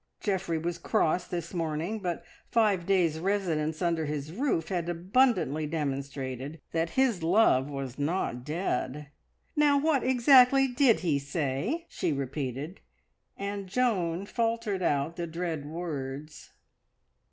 Geoffrey was cross this morning, but five days' residence under his roof had abundantly demonstrated that his love was not dead. "Now, what exactly did he say?" she repeated, and Joan faltered out the dread words.